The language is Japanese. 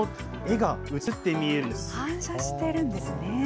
反射してるんですね。